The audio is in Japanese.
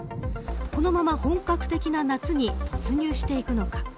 このまま本格的な夏に突入していくのか。